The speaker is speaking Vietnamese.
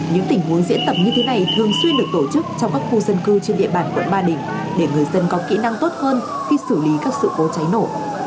những tình huống diễn tập như thế này thường xuyên được tổ chức trong các khu dân cư trên địa bàn quận ba đình để người dân có kỹ năng tốt hơn khi xử lý các sự cố cháy nổ